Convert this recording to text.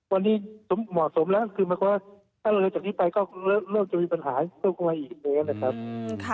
วันนี้เหมาะสมแล้วคือหมายความว่าถ้าเลยจากนี้ไปก็เริ่มจะมีปัญหาเพิ่มเข้ามาอีกแล้วนะครับ